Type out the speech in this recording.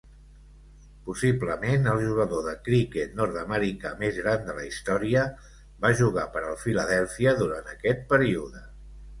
Possiblement, el jugador de criquet nord-americà més gran de la història va jugar per al Filadèlfia durant aquest període.